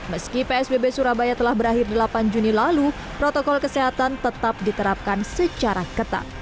meski psbb surabaya telah berakhir delapan juni lalu protokol kesehatan tetap diterapkan secara ketat